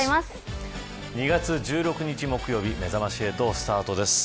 ２月１６日木曜日めざまし８スタートです。